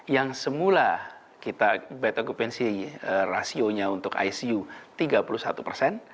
yang semula kita bad occupancy rasionya untuk icu tiga puluh satu persen